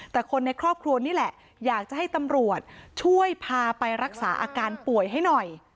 แต่คนในครอบครัวนี่แหละอยากจะให้ตำรวจช่วยพาไปรักษาอาการป่วยให้หน่อย